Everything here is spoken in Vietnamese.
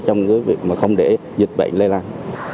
trong cái việc mà không để dịch bệnh lây lan